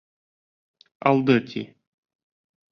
Алды ти!